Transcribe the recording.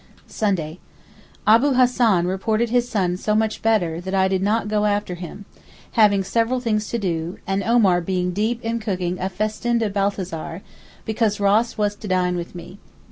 Sunday.—Abu Hassan reported his son so much better that I did not go after him, having several things to do, and Omar being deep in cooking a festin de Balthazar because Ross was to dine with me.